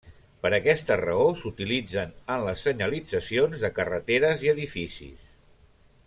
Per aquesta raó, s'utilitzen en les senyalitzacions de carreteres i edificis.